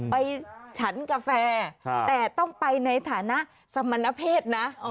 ฉันกาแฟแต่ต้องไปในฐานะสมณเพศนะ